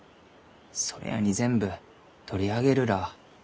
それやに全部取り上げるらあ。